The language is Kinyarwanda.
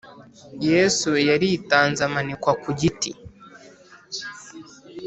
yesu yaritanze amanikwa ku giti